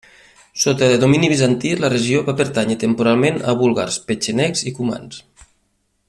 Sota domini bizantí, la regió va pertànyer temporalment a búlgars, petxenegs i cumans.